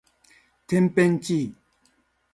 てんぺんちい